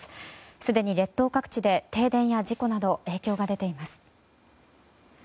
すでに列島各地で停電や事故など影響が出ています。